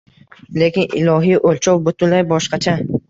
Lekin ilohiy o‘lchov butunlay boshqacha.